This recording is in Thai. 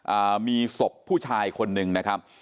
อ่ามีศพผู้ชายคนหนึ่งนะครับ